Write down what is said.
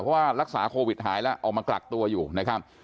เพราะว่ารักษาโควิดหายแล้วออกมากักตัวอยู่นะครับ